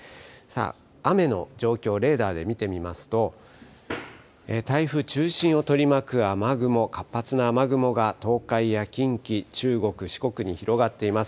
雨の状況、レーダーで見てみますと、台風中心を取り巻く雨雲、活発な雨雲が東海や近畿、中国、四国に広がっています。